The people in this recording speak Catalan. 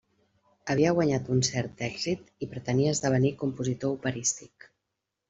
Havia guanyat un cert èxit i pretenia esdevenir compositor operístic.